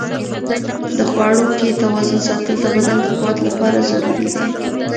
د خواړو کې توازن ساتل د بدن د قوت لپاره ضروري دي.